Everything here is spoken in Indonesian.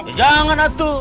ya jangan atuh